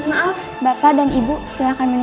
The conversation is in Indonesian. aku berpikir pasang yang ini